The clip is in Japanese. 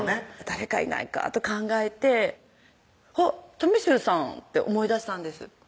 誰かいないかと考えてあっとみしゅうさんって思い出したんです